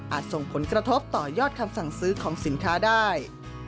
ส่งผลกระทบต่อยอดคำสั่งซื้อของสินค้าได้